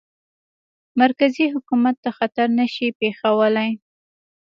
مرکزي حکومت ته خطر نه شي پېښولای.